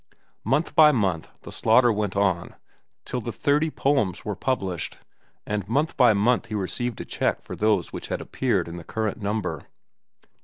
Month by month the slaughter went on till the thirty poems were published, and month by month he received a check for those which had appeared in the current number.